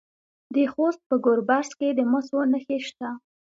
د خوست په ګربز کې د مسو نښې شته.